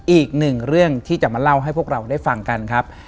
อีกหนึ่งเรื่องที่จะมาเล่าให้พวกเราได้ฟังกันครับ